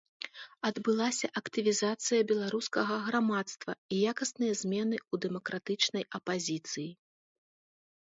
Адбылася актывізацыя беларускага грамадства і якасныя змены ў дэмакратычнай апазіцыі.